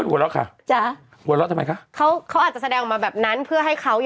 นี่เธอแบบว่า